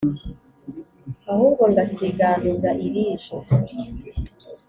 Ahubwo ngasiganuza irije,